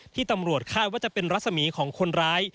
ตำรวจคาดว่าจะเป็นรัศมีของคนร้าย